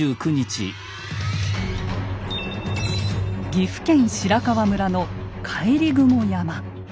岐阜県白川村の帰雲山。